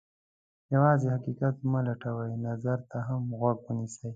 یوازې حقیقت مه لټوئ، نظر ته هم غوږ ونیسئ.